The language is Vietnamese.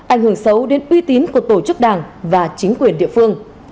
ảnh hưởng xấu đến uy tín của tổ chức đảng và chính quyền địa phương